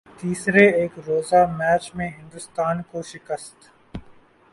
تیسرے ایک روزہ میچ میں ہندوستان کو شکست